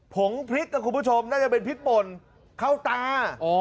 ผงพริกนะคุณผู้ชมน่าจะเป็นพริกป่นเข้าตา